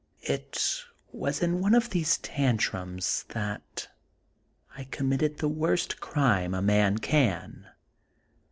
It was in one of these tan trums that I committed the worst crime a man can.